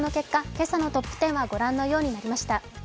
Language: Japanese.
今朝のトップ１０はご覧のようになりました。